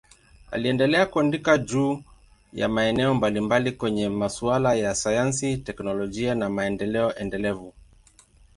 Aliendelea kuandika juu ya maeneo mbalimbali kwenye masuala ya sayansi, teknolojia na maendeleo endelevu.